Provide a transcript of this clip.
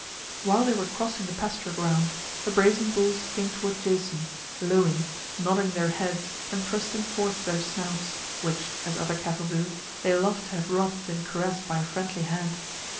While they were crossing the pasture ground the brazen bulls came toward Jason, lowing, nodding their heads and thrusting forth their snouts, which, as other cattle do, they loved to have rubbed and caressed by a friendly hand.